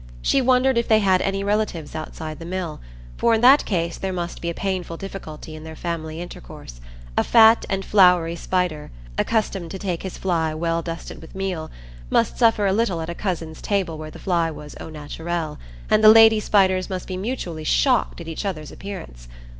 She wondered if they had any relatives outside the mill, for in that case there must be a painful difficulty in their family intercourse,—a fat and floury spider, accustomed to take his fly well dusted with meal, must suffer a little at a cousin's table where the fly was au naturel, and the lady spiders must be mutually shocked at each other's appearance.